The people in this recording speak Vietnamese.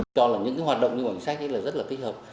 tôi cho là những hoạt động như bằng sách rất là tích hợp